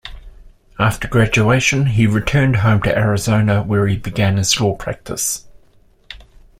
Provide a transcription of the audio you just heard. After graduation, he returned home to Arizona, where he began his law practice.